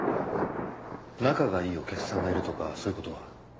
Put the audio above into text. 仲がいいお客さんがいるとかそういう事は？